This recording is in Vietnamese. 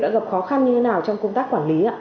đã gặp khó khăn như thế nào trong công tác quản lý ạ